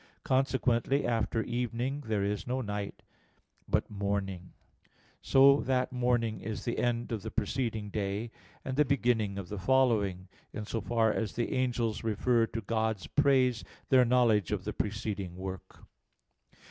Consequently after "evening" there is no night, but "morning"; so that morning is the end of the preceding day, and the beginning of the following, in so far as the angels refer to God's praise their knowledge of the preceding work.